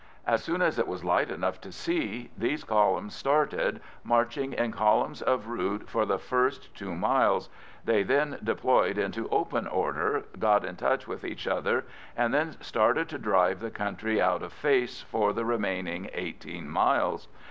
As soon as it was light enough to see, these columns started, marching in columns of route for the first two miles; they then deployed into open order, got in touch with each other, and then started to drive the country out of face for the remaining eighteen miles.